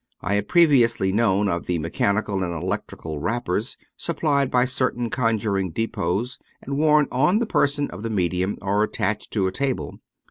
I had previously known of the mechanical and electrical rappers, supplied by certain conjuring depots, and worn on the person of the medium, or attached to a table.